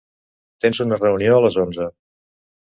Tens una reunió a les onze.